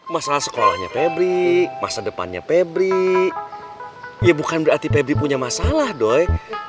masalah sekolahnya febri masa depannya pebri ya bukan berarti pebri punya masalah dok